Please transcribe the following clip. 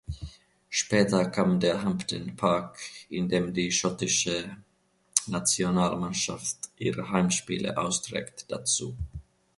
Später kam der Hampden Park, in dem die schottische Nationalmannschaft ihre Heimspiele austrägt, dazu.